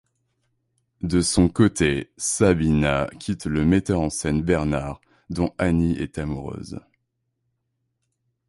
De son côté, Sabina quitte le metteur en scène Bernard, dont Anny est amoureuse.